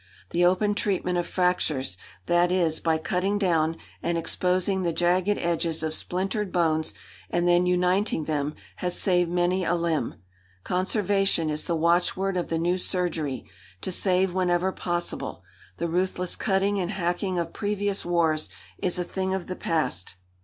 The open treatment of fractures that is, by cutting down and exposing the jagged edges of splintered bones, and then uniting them has saved many a limb. Conservation is the watchword of the new surgery, to save whenever possible. The ruthless cutting and hacking of previous wars is a thing of the past.